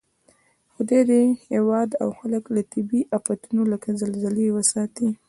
خدای دې هېواد او خلک له طبعي آفتو لکه زلزله وساتئ